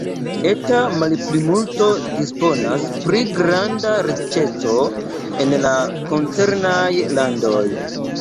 Eta malplimulto disponas pri granda riĉeco en la koncernaj landoj.